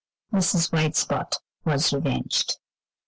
Mrs. White Spot was revenged.